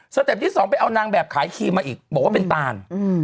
เต็ปที่สองไปเอานางแบบขายครีมมาอีกบอกว่าเป็นตาน